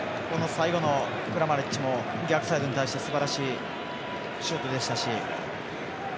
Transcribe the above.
最後のクラマリッチも逆サイドに対して、すばらしいシュートでしたし。